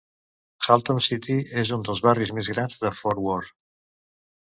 Haltom City és un dels barris més grans de Fort Worth.